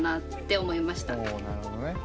おおなるほどね。